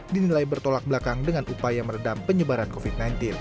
dinilai bertolak belakang dengan upaya meredam penyebaran covid sembilan belas